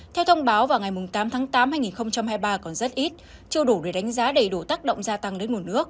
theo thông báo vào ngày tám tháng tám hai nghìn hai mươi ba còn rất ít chưa đủ để đánh giá đầy đủ tác động gia tăng đến nguồn nước